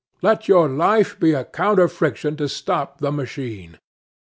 Let your life be a counter friction to stop the machine.